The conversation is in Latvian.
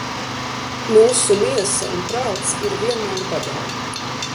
Mūsu miesa un prāts ir vienmēr badā.